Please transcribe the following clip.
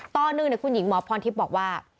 ตอนหนึ่งคุณหญิงหมอพรทิพย์บอกว่า